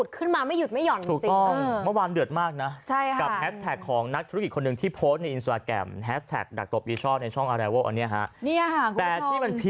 ค่ะไปคอมเมนต์เอาไว้นะฮะรบกวนด้วยค่ะนี่ไงนี่ไง